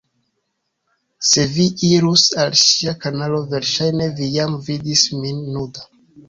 Se vi irus al ŝia kanalo verŝajne vi jam vidis min nuda